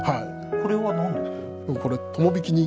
これは何ですか？